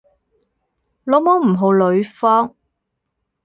老母唔好呂方